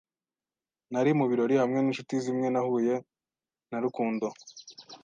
Nari mu birori hamwe ninshuti zimwe nahuye na Rukundo.